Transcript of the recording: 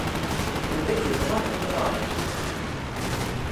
У неї нема темпераменту.